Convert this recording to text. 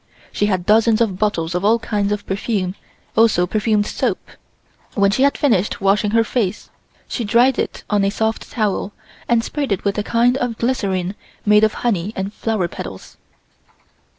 She had dozens of bottles of all kinds of perfume, also perfumed soap. When she had finished washing her face, she dried it on a soft towel and sprayed it with a kind of glycerine made of honey and flower petals.